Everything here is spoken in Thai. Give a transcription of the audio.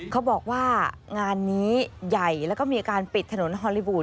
เขาบอกว่างานนี้ใหญ่แล้วก็มีการปิดถนนฮอลลี่วูด